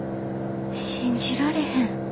信じられへん。